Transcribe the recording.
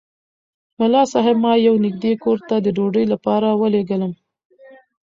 ملا صاحب ما یو نږدې کور ته د ډوډۍ لپاره ولېږلم.